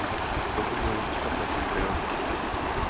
To by mělo zůstat naší prioritou.